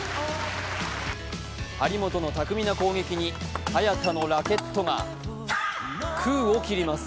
張本の巧みな攻撃に早田のラケットが空を切ります。